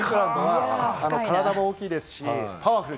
体も大きいですし、パワフル